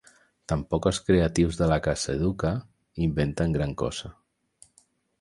Tampoc els creatius de la casa Educa inventen gran cosa.